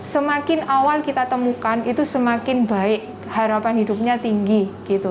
semakin awal kita temukan itu semakin baik harapan hidupnya tinggi gitu